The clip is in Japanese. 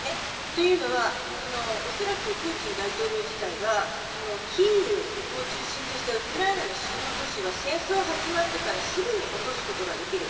というのはおそらくプーチン大統領自体はキーウの中心とするウクライナの主要都市は戦争が始まってから、すぐに落とすことができる。